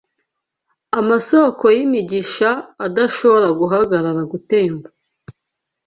amasōko y’imigisha adashobora guhagarara gutemba